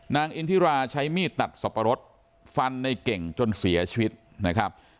อินทิราใช้มีดตัดสับปะรดฟันในเก่งจนเสียชีวิตนะครับ